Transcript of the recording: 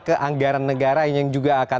keanggaran negara yang juga akan